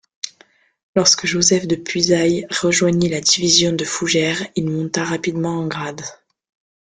Lorsque Joseph de Puisaye rejoignit la division de Fougères, il monta rapidement en grade.